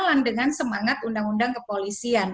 berjalan dengan semangat undang undang kepolisian